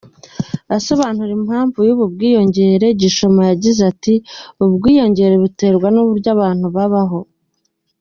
Asobanura impamvu y’ubu bwiyongere, Gishoma yagize, ati “Ubwiyongere buterwa n’uburyo abantu babaho.